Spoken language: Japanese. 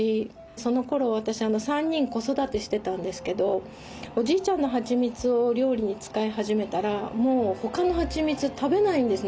そのころ私３人子育てしてたんですけどおじいちゃんのはちみつを料理に使い始めたらもう他のはちみつ食べないんですね